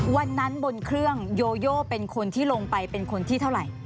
บนเครื่องโยโยเป็นคนที่ลงไปเป็นคนที่เท่าไหร่